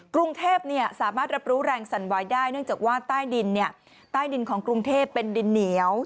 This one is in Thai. กรุงเทพสามารถรับรู้แรงสั่นวายได้เนื่องจากว่าใต้ดินใต้ดินของกรุงเทพเป็นดินเหนียว